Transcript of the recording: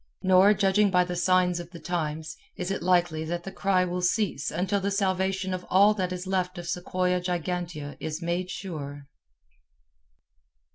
Nor, judging by the signs of the times, is it likely that the cry will cease until the salvation of all that is left of Sequoia gigantea is made sure.